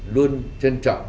luôn trân trọng